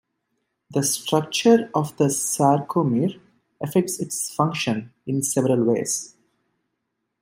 The structure of the sarcomere affects its function in several ways.